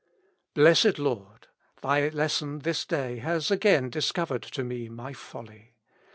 Blessed Lord ! Thy lesson this day has again dis covered to me my folly.